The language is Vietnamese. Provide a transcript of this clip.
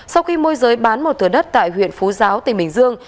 sau khi môi giới bán một thừa đất tại huyện phú giáo tỉnh bình dương